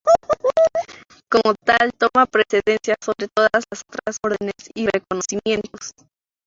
Como tal, toma precedencia sobre todas las otras ordenes y reconocimientos.